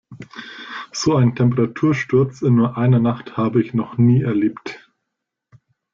So einen Temperatursturz in nur einer Nacht habe ich noch nie erlebt.